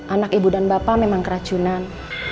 anak ibu dan bapak memang keracunan